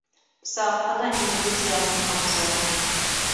Саҡ ҡына энтузиазм ҡамасауламаҫ!